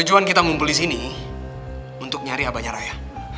tujuan kita ngumpul disini untuk nyari aba nyeraya